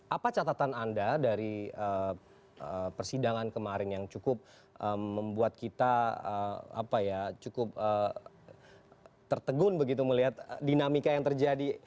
apa catatan anda dari persidangan kemarin yang cukup membuat kita cukup tertegun begitu melihat dinamika yang terjadi